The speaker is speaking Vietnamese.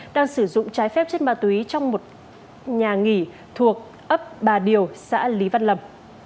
đang sử dụng trái phép chất ma túy trong một nhà nghỉ thuộc ấp bà điều xã lý văn lâm